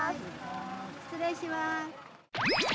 失礼します。